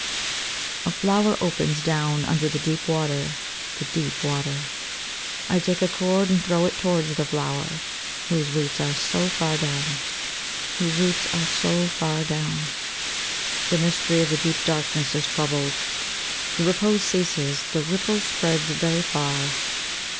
A FLOWER opens down under the deep water ..♦ the deep water. I take a cord and throw it towards the flower whose roots are so far down. Whose roots are so far down. The mystery of the deep darkness is troubled, the repose ceases, the ripple spreads very far.